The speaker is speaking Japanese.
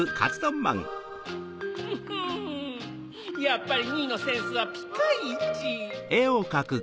やっぱりミーのセンスはピカイチ！